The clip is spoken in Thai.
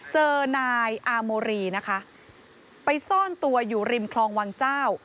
เจอนายอาโมรีนะคะไปซ่อนตัวอยู่ริมคลองวังเจ้า